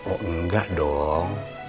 oh enggak dong